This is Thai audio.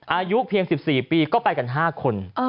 อายุเพียง๑๔ปีก็ไปกัน๕คน